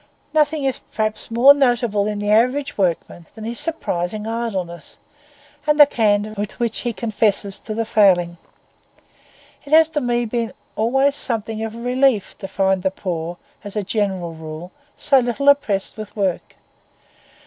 Nothing is perhaps more notable in the average workman than his surprising idleness, and the candour with which he confesses to the failing. It has to me been always something of a relief to find the poor, as a general rule, so little oppressed with work.